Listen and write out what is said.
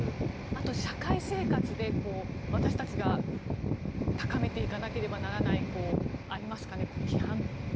あと、社会生活で私たちが高めていかなければいけない何か、ありますか。